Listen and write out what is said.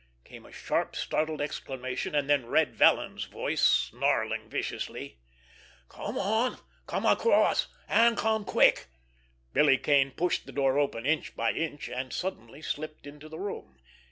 Came a sharp, startled exclamation, and then Red Vallon's voice, snarling viciously: "Come on! Come across! And come—quick!" Billy Kane pushed the door open inch by inch, and suddenly slipped into the room.